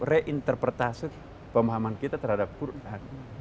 reinterpretasi pemahaman kita terhadap quran